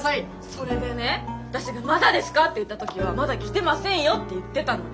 それでね私が「まだですか？」って言った時は「まだ来てませんよ」って言ってたのに。